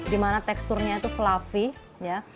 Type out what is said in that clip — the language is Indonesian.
dimana teksturnya itu fluffy